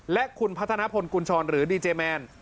และคุณพัฒนาพลกุญชรหรือดีเจแมน